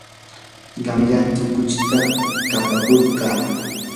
qanyantin kuchita kapakuyarquu.